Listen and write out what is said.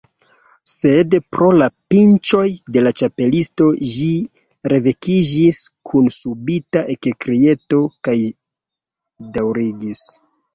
Sed pro la pinĉoj de la Ĉapelisto, ĝi revekiĝis kun subita ekkrieto, kaj daŭrigis.